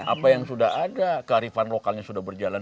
apa yang sudah ada kearifan lokalnya sudah berjalan